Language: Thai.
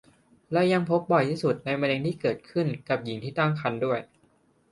และยังพบบ่อยที่สุดในมะเร็งที่เกิดขึ้นกับหญิงตั้งครรภ์ด้วย